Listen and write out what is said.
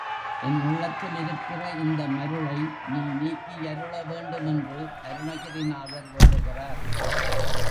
என் உள்ளத்தில் இருக்கிற இந்த மருளை நீ நீக்கியருள வேண்டும் என்று அருணகிரிநாதர் வேண்டுகிறார்.